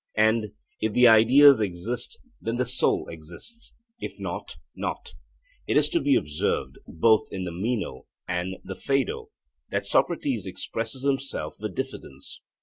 And, 'If the ideas exist, then the soul exists; if not, not.' It is to be observed, both in the Meno and the Phaedo, that Socrates expresses himself with diffidence.